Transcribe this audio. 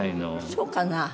そうかな？